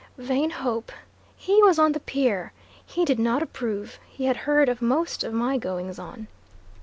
Vain hope! he was on the pier! He did not approve! He had heard of most of my goings on.